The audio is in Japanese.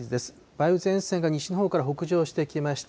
梅雨前線が西日本から北上してきました。